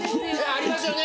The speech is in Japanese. ありますよね。